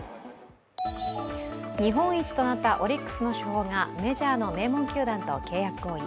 日本一となったオリックスの主砲がメジャーの名門球団で契約合意。